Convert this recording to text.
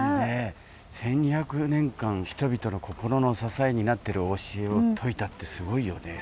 １，２００年間人々の心の支えになってる教えを説いたってすごいよね。